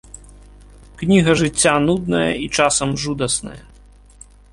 Кніга жыцця нудная і часам жудасная.